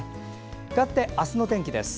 かわって明日の天気です。